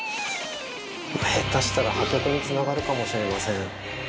下手したら破局につながるかもしれません。